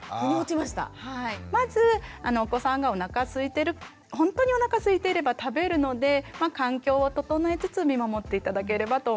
まずお子さんがおなかすいてる本当におなかすいていれば食べるので環境を整えつつ見守って頂ければと思います。